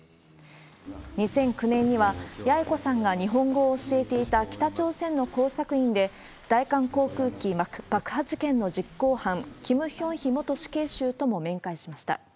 ２００９年には、八重子さんが日本語を教えていた北朝鮮の工作員で、大韓航空機爆破事件の実行犯、金賢姫元死刑囚とも面会しました。